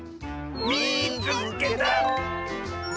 「みいつけた！」。